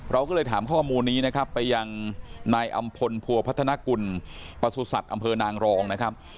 เราก็เลยถามข้อมูลนี้นะครับไปยังนายอำพลพัวพัฒนากุลประสุทธิ์อำเภอนางรองนะครับ